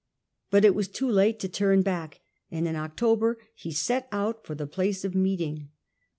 But it was too late to turn^^i^ back, and in October he set out for the place of meet ing.